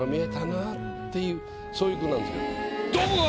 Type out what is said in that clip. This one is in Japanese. そういう句なんですけど。